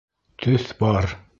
Төҫ бар.